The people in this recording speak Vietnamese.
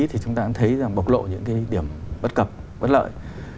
thì chúng ta cũng thấy rằng bộc lộ những cái điểm bất cập bất lợi